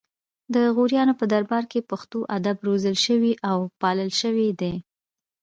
د غوریانو په دربار کې پښتو ادب روزل شوی او پالل شوی دی